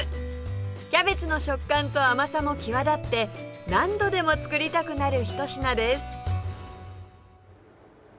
キャベツの食感と甘さも際立って何度でも作りたくなるひと品です